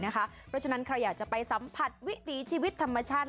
เพราะฉะนั้นใครอยากจะไปสัมผัสวิถีชีวิตธรรมชาติ